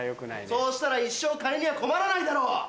そうしたら一生金には困らないだろ！